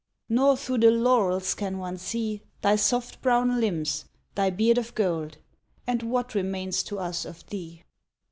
Nor through the laurels can one see Thy soft brown limbs, thy beard of gold And what remains to us of thee?